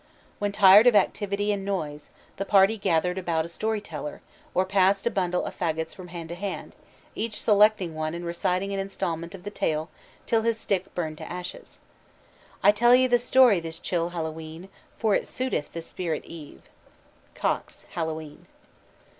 When tired of activity and noise, the party gathered about a story teller, or passed a bundle of fagots from hand to hand, each selecting one and reciting an installment of the tale till his stick burned to ashes. "I tell ye the story this chill Hallowe'en, For it suiteth the spirit eve." COXE: _Hallowe'en.